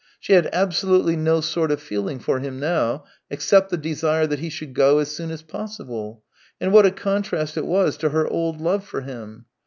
She had absolutely no sort of feeling for him now, except the desire that he should go as soon as possible — and what a contrast it was to her old love for him